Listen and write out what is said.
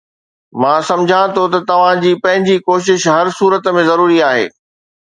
مان سمجهان ٿو ته توهان جي پنهنجي ڪوشش هر صورت ۾ ضروري آهي.